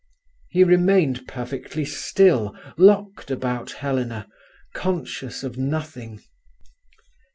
He remained perfectly still, locked about Helena, conscious of nothing.